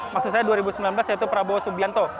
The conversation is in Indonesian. maksud saya dua ribu sembilan belas yaitu prabowo subianto